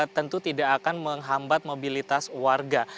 tentu tidak akan menghambat mobilitas warga